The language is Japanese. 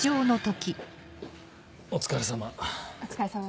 お疲れさま。